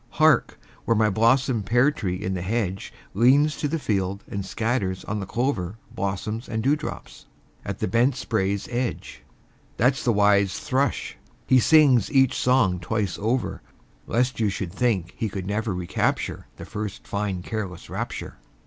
Hark, where my blossomed pear tree in the hedge Leans to the field and scatters on the clover Blossoms and dewdrops at the bent spray's edge That's the wise thrush; he sings each song twice over, Lest you should think he never could recapture The first fine careless rapture!